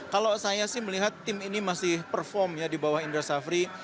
kalau saya sih melihat tim ini masih perform ya di bawah indra safri